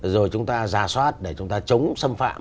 rồi chúng ta giả soát để chúng ta chống xâm phạm